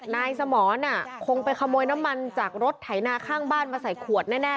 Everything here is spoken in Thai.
นายสมรคงไปขโมยน้ำมันจากรถไถนาข้างบ้านมาใส่ขวดแน่